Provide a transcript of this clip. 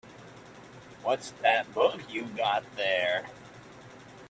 What's that book you've got there?